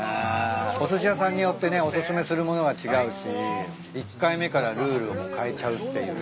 おすし屋さんによってねお薦めする物が違うし１回目からルールをもう変えちゃうっていう。